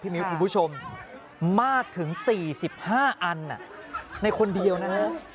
มิ้วคุณผู้ชมมากถึง๔๕อันในคนเดียวนะฮะ